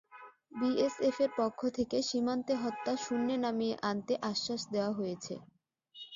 বিএসএফের পক্ষ থেকে সীমান্তে হত্যা শূন্যে নামিয়ে আনতে আশ্বাস দেওয়া হয়েছে।